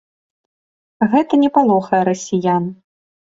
Гэта не палохае расіян.